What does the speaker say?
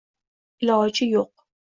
iloji yo’q